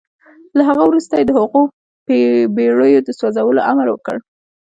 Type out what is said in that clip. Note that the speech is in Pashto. له هغه وروسته يې د هغو بېړيو د سوځولو امر وکړ.